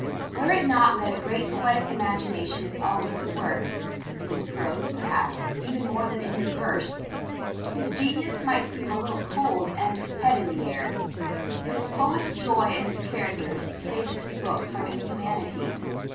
Were it not that a great poetic imagination is always at work in his prose, perhaps, even more than in his verse his genius might seem a little cold and head in the air. But his poet's joy in his characters saves his books from inhumanity.